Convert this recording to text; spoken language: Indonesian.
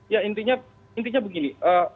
ya intinya begini